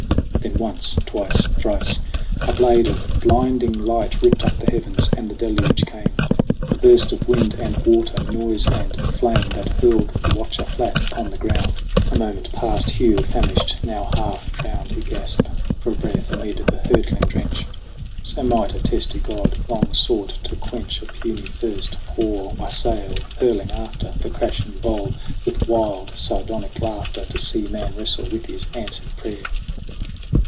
Then once twice thrice a blade of blinding light Ripped up the heavens, and the deluge came A burst of wind and water, noise and flame That hurled the watcher flat upon the ground. 52 SONG OF HUGH GLASS A moment past Hugh famished ; now, half drowned, He gasped for breath amid the hurtling drench. So might a testy god, long sought to quench A puny thirst, pour wassail, hurling after The crashing bowl with wild sardonic laughter To see man wrestle with his answered prayer